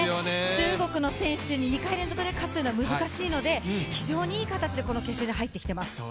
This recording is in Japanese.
中国の選手に２回連続勝つというのは難しいですので、非常にいい形で決勝に入ってきています。